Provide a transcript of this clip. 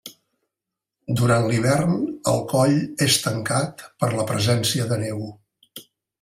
Durant l'hivern el coll és tancat per la presència de neu.